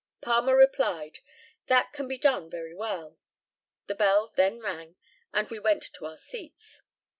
Palmer replied, "That can be done very well." The bell then rang, and we went to our seats.